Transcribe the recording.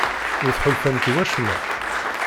Ur tḥulfamt i wacemma?